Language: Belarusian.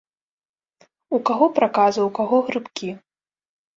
У каго праказа, у каго грыбкі.